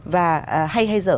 và hay hay dở